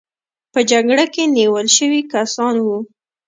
په جګړه کې نیول شوي کسان وو.